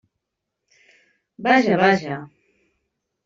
Vaja, vaja!